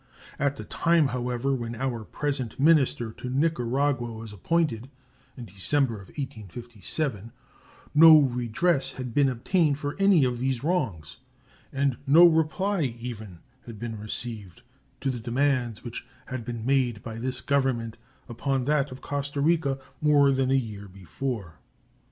At the time, however, when our present minister to Nicaragua was appointed, in December, 1857, no redress had been obtained for any of these wrongs and no reply even had been received to the demands which had been made by this Government upon that of Costa Rica more than a year before.